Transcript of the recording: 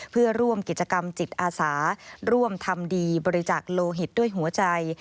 เพื่อร่วมกิจกรรมจิตอาสาร่วมทำดีบริจาคโลหิตด้วยหัวใจ